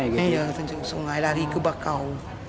iya terjun ke sungai lari ke bakau